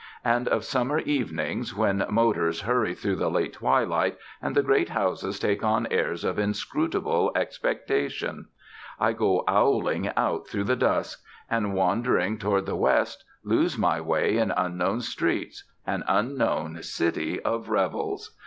And of summer evenings, when motors hurry through the late twilight, and the great houses take on airs of inscrutable expectation, I go owling out through the dusk; and wandering toward the West, lose my way in unknown streets an unknown City of revels.